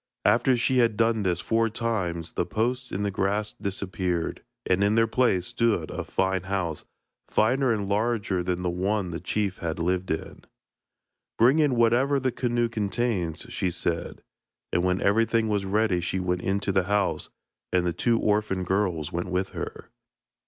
After she had done this four times, the posts and the grass disappeared, and in their place stood a fine house finer and larger than the one the chief had lived in. [Illustration: DJUN'S MAGIC IN THE HOUSE OF THE CHIEF.] 'Bring in whatever the canoe contains,' she said; and when everything was ready she went into the house, and the two orphan girls went with her.